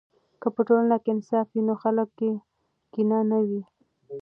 که په ټولنه کې انصاف وي، نو خلکو کې کینه نه وي.